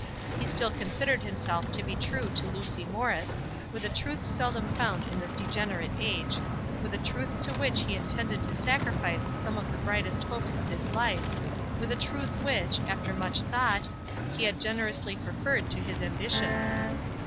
He still considered himself to be true to Lucy Morris, with a truth seldom found in this degenerate age, with a truth to which he intended to sacrifice some of the brightest hopes of his life, with a truth which, after much thought, he had generously preferred to his ambition.